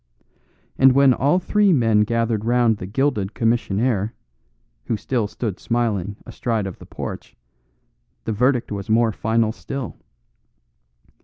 And when all three men gathered round the gilded commissionaire, who still stood smiling astride of the porch, the verdict was more final still.